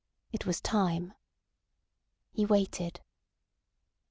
It was time. He waited.